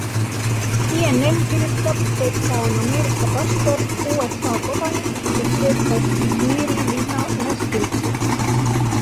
CNN kirjutab, et ta on Ameerika pastor, USA kodanik, kes töötas Izmiri linna ühes kirikus.